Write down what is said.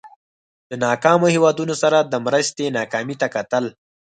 له ناکامو هېوادونو سره د مرستو ناکامۍ ته کتل.